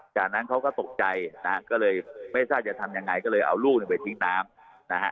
จากนั้นเขาก็ตกใจนะฮะก็เลยไม่ทราบจะทำยังไงก็เลยเอาลูกไปทิ้งน้ำนะฮะ